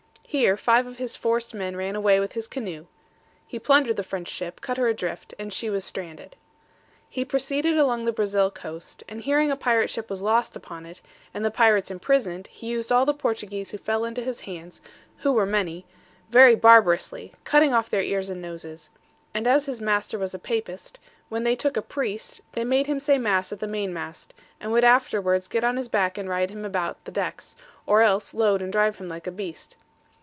Here five of his forced men ran away with his canoe; he plundered the French ship, cut her adrift, and she was stranded. He proceeded along the Brazil coast, and hearing a pirate ship was lost upon it, and the pirates imprisoned, he used all the Portuguese who fell into his hands, who were many, very barbarously, cutting off their ears and noses; and as his master was a papist, when they took a priest, they made him say mass at the mainmast, and would afterwards get on his back and ride him about the decks, or else load and drive him like a beast.